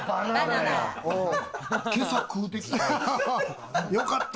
今朝、食うてきた。